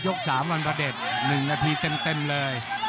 ๓วันประเด็จ๑นาทีเต็มเลย